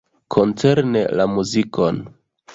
Koncerne la muzikon.